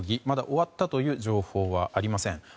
まだ終わったという情報はありません。